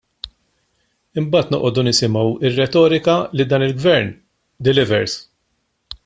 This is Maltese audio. Imbagħad noqogħdu nisimgħu r-retorika li dan il-Gvern " delivers "!